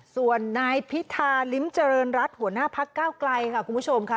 ส่วนนายพิธาริมเจิร์ณรัฐหัวหน้าพระค่าวไกลครับคุณผู้ชมค่ะ